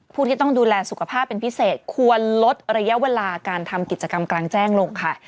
ผู้ที่ต้องดูแลสุขภาพเป็นพิเศษควรลดระยะเวลาการทำกิจกรรมกลางแจ้งลงค่ะ